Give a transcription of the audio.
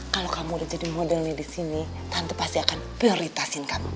kalau kamu udah jadi model nih di sini tante pasti akan prioritasin kamu